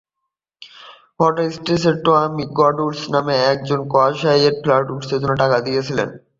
স্টেনহাউসমুরের King স্ট্রিটে Tommy Douglas নামের একজন কসাই এই ফ্লাডলাইটের জন্য টাকা দিয়েছিলেন।